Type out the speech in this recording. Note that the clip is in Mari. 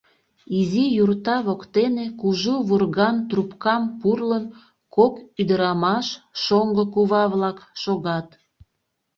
Изи юрта воктене, кужу вурган трубкам пурлын, кок ӱдырамаш — шоҥго кува-влак — шогат.